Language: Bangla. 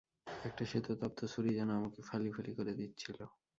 একটা শ্বেত-তপ্ত ছুড়ি যেন আমাকে ফালি ফালি করে দিচ্ছিল।